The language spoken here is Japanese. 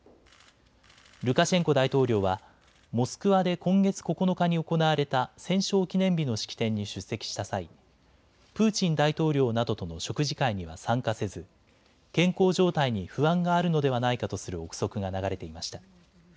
ルカシェンコ大統領はモスクワで今月９日に行われた戦勝記念日の式典に出席した際、プーチン大統領などとの食事会には参加せず健康状態に不安があるのではないかとする臆測が流れていました。